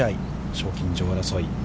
賞金女王争い。